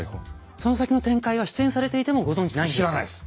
その先の展開は出演されていてもご存じないんですか？